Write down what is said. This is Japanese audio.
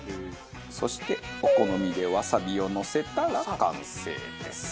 そしてお好みでワサビをのせたら完成です。